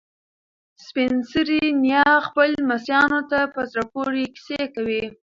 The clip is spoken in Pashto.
سپین سرې نیا خپلو لمسیانو ته په زړه پورې کیسې کوي.